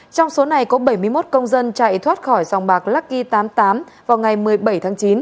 trong số này có bảy mươi một công dân chạy thoát khỏi dòng bạc lucky tám mươi tám vào ngày một mươi bảy tháng chín